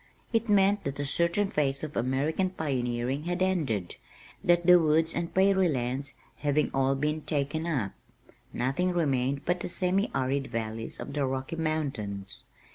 It meant that a certain phase of American pioneering had ended, that "the woods and prairie lands" having all been taken up, nothing remained but the semi arid valleys of the Rocky Mountains.